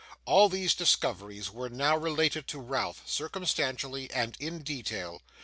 All these discoveries were now related to Ralph, circumstantially, and in detail.